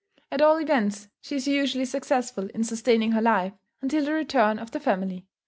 At all events she is usually successful in sustaining her life, until the return of the family.